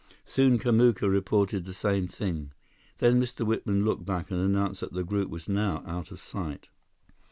Soon Kamuka reported the same thing. Then Mr. Whitman looked back and announced that the group was now out of sight.